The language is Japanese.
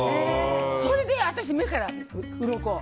それで私、目からうろこ。